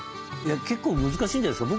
結構難しいんじゃないですか。